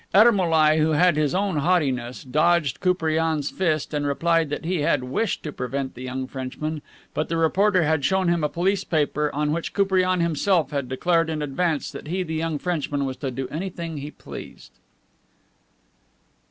Ermolai, who had his own haughtiness, dodged Koupriane's fist and replied that he had wished to prevent the young Frenchman, but the reporter had shown him a police paper on which Koupriane himself had declared in advance that the young Frenchman was to do anything he pleased.